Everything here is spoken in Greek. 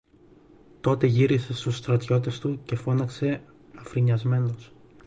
Τότε γύρισε στους στρατιώτες του και φώναξε αφρισμένος